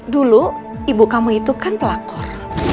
dulu ibu kamu itu kan pelakor